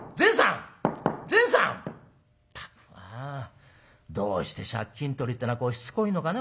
「ったくまあどうして借金取りってのはこうしつこいのかね